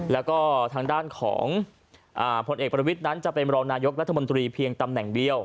แล้วก็ทางด้านของผลเอกประวิทย์นั้นจะเป็นรองนายกรัฐมนตรีเพียงตำแหน่งเดียว